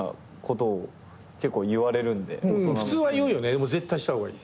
でも絶対した方がいい。